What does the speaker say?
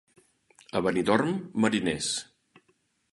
A Benidorm, mariners.